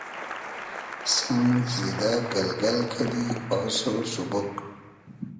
سئنگ زیدۂ گئلگئل کئدی آسۉ سوبوگ